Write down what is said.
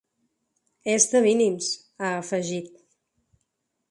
“És de mínims”, ha afegit.